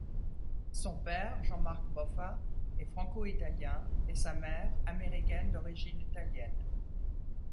Son père Jean-Marc Boffa est franco-italien et sa mère américaine d'origine italienne.